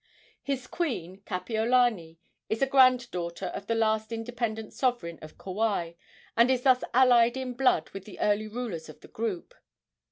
His queen, Kapiolani, is a granddaughter of the last independent sovereign of Kauai, and is thus allied in blood with the early rulers of the group.